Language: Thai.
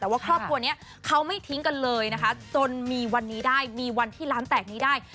แต่ว่าครอบครัวนี้เขาไม่ทิ้งกันเลยนะคะจนมีวันนี้ได้มีวันที่ร้านแตกนี้ได้